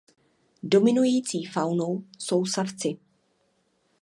Dominující faunou jsou savci.